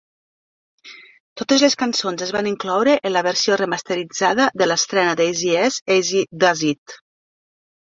Totes les cançons es van incloure en la versió remasteritzada de l'estrena d"Eazy-E's, Eazy-Duz-It.